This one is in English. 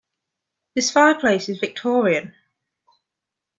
This fireplace is Victorian.